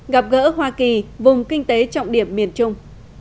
gặp gỡ hoa kỳ vùng kinh tế trọng điểm miền trung